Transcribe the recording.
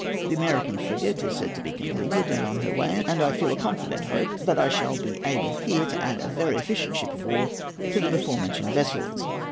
The American frigate is said to be completed and on her way, and I feel a confident hope that I shall be able here to add a very efficient ship of war to the before mentioned vessels.